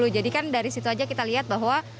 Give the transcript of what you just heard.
jadi kan dari situ aja kita lihat bahwa